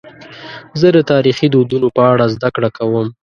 زه د تاریخي دودونو په اړه زدهکړه کوم.